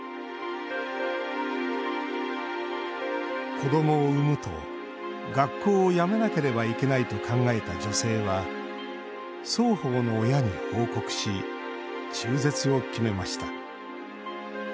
子どもを産むと学校をやめなければいけないと考えた女性は双方の親に報告し中絶を決めました。